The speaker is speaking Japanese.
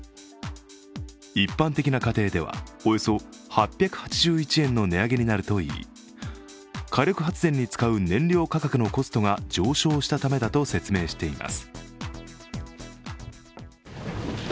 一般的な家庭ではおよそ８８１円の値上げになるといい火力発電に使う燃料価格のコストが上昇したためだと説明しています。